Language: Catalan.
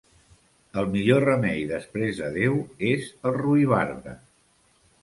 El millor remei després de Déu és el ruibarbre.